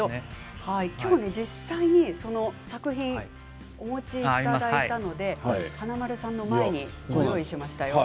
きょう実際に作品をお持ちいただいたので華丸さんの前にご用意しましたよ。